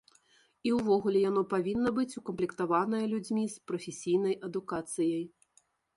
І ўвогуле яно павінна быць укамплектаванае людзьмі з прафесійнай адукацыяй.